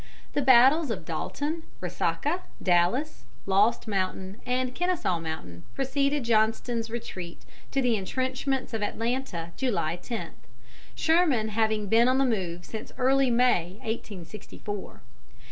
The battles of Dalton, Resaca, Dallas, Lost Mountain, and Kenesaw Mountain preceded Johnston's retreat to the intrenchments of Atlanta, July 10, Sherman having been on the move since early in May, 1864.